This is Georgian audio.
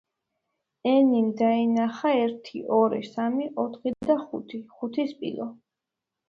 ენიმ დაინახა ერთი, ორი, სამი, ოთხი და ხუთი. ხუთი სპილო.